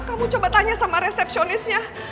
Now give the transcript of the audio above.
kamu coba tanya sama resepsionisnya